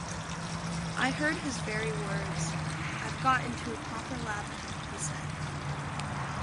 I heard his very words — “I’ve got into a proper lather,” he said.